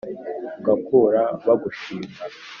ugakura bagushima